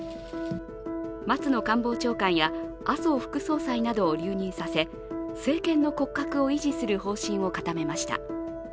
松野官房長官や麻生副総裁などを留任させ政権の骨格を維持する方針を固めました。